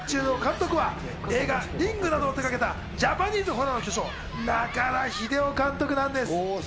なぜかっちゅうと監督は、映画『リング』などを手がけたジャパニーズホラーの巨匠・中田秀夫監督なんです。